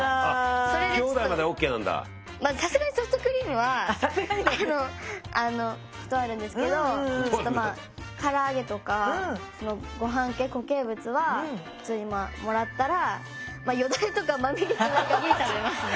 さすがにソフトクリームは断るんですけどから揚げとかごはん系固形物はついもらったらよだれとかまみれてないかぎり食べますね。